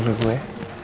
tidak perlu ya